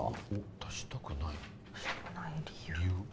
出したくない理由？